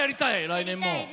来年も。